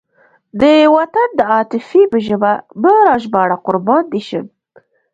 د وطن د عاطفې په ژبه مه راژباړه قربان دې شم.